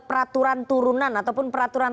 peraturan turunan ataupun peraturan